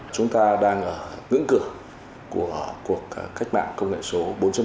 chúng ta đang ở ngưỡng cửa của cuộc cách mạng công nghệ số bốn